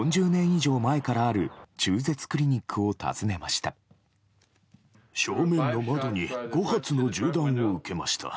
以上前からある中絶クリニックを訪ねました。